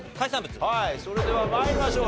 はいそれでは参りましょう。